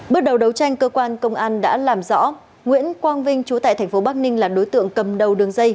bước đầu đấu tranh cơ quan công an đã làm rõ nguyễn quang vinh chú tại tp bắc ninh là đối tượng cầm đầu đường dây